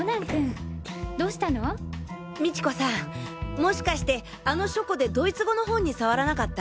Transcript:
もしかしてあの書庫でドイツ語の本に触らなかった？